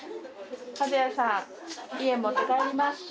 和也さん家持って帰りますか？